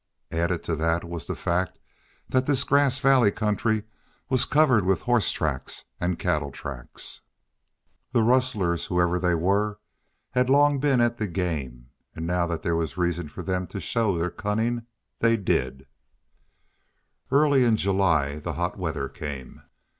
Added to that was the fact that this Grass Valley country was covered with horse tracks and cattle tracks. The rustlers, whoever they were, had long been at the game, and now that there was reason for them to show their cunning they did it. Early in July the hot weather came.